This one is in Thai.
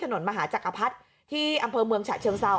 ถนนมหาจักรพรรดิที่อำเภอเมืองฉะเชิงเซา